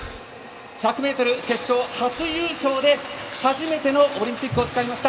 １００ｍ決勝初優勝で初めてのオリンピックをつかみました